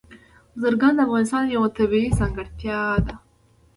بزګان د افغانستان یوه طبیعي ځانګړتیا ده.